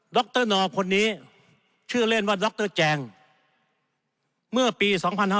รนอร์คนนี้ชื่อเล่นว่าดรแจงเมื่อปี๒๕๕๙